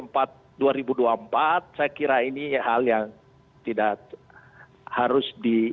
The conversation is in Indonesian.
saya kira ini hal yang tidak harus di